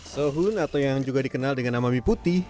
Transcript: sohun atau yang juga dikenal dengan nama mie putih